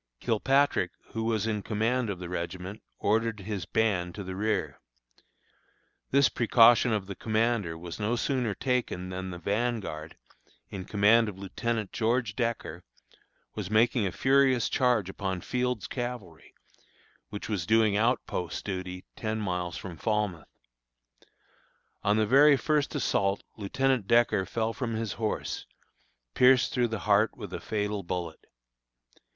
Kilpatrick, who was in command of the regiment, ordered his band to the rear. This precaution of the commander was no sooner taken than the vanguard, in command of Lieutenant George Decker, was making a furious charge upon Field's Cavalry, which was doing outpost duty ten miles from Falmouth. On the very first assault Lieutenant Decker fell from his horse, pierced through the heart with a fatal bullet.